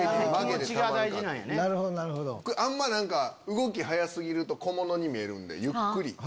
あんま動き速過ぎると小物に見えるんでゆっくり。